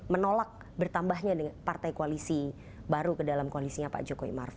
menolak bertambahnya partai koalisi baru ke dalam koalisinya pak jokowi maruf